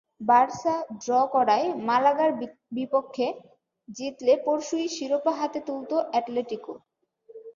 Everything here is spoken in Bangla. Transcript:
বার্সা ড্র করায় মালাগার বিপক্ষে জিতলে পরশুই শিরোপা হাতে তুলত অ্যাটলেটিকো।